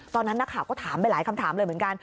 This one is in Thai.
ตอนนั้นนักข่าวก็ถามไปหลายคำถามเลยเหมือนกัน